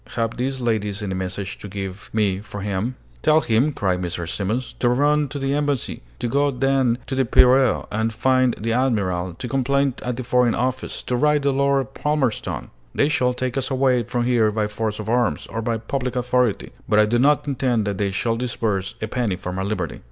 Have these ladies any messages to give me for him?" "Tell him," cried Mrs. Simons, "to run to the embassy, to go then to the Piraeus and find the admiral, to complain at the foreign office, to write to Lord Palmerston! They shall take us away from here by force of arms, or by public authority, but I do not intend that they shall disburse a penny for my liberty."